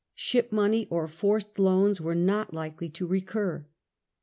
Ship money or forced loans were not likely to recur.